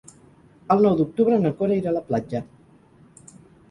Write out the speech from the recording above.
El nou d'octubre na Cora irà a la platja.